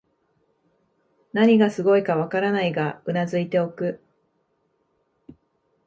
何がすごいかわからないが頷いておく